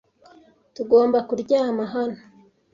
Tugomba kuryama hano?